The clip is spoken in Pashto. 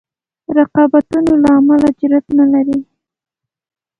رقابتونو له امله جرأت نه لري.